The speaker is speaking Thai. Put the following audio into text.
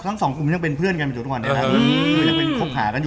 ทั้ง๒คุณก็ยังเป็นเพื่อนกันครรภูมิกันท้าย